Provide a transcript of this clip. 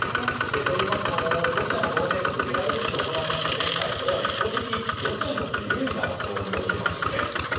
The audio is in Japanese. といいますのもロシアの同盟国ベラルーシで行われた前回これは一方的にロシアにとって有利な場所と言えますよね。